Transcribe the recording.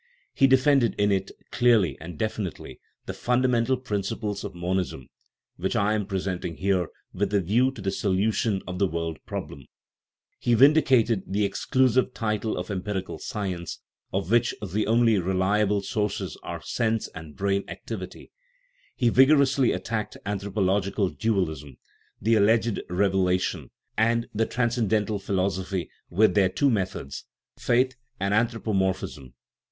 He defended in it, clearly and definitely, the fundamental principles of monism, which I am presenting here with a view to the solu tion of the world problem ; he vindicated the exclusive title of empirical science, of which the only reliable sources are sense and brain activity ; he vigorously attacked anthropological dualism, the alleged "revela tion," and the transcendental philosophy, with their two methods " faith and anthropomorphism